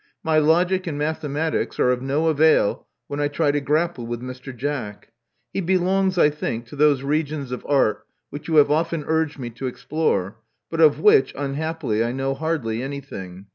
My logic and mathematics are oi no avail when I try to grapple with Mr. Jack: ho belongs, I think, to those regions of art which you have i^ften urged me to explore, but of which, unhappily, I know hardly anything.